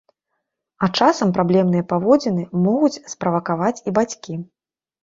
А часам праблемныя паводзіны могуць справакаваць і бацькі.